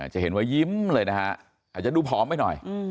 จะเห็นว่ายิ้มเลยนะฮะอาจจะดูผอมไปหน่อย